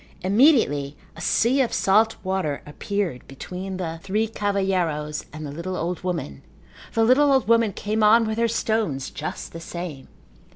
Immediately a sea of salt water appeared between the three cavalheiros and the little old woman. The little old woman came on with her stones just the same.